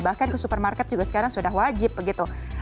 bahkan ke supermarket juga sekarang sudah wajib begitu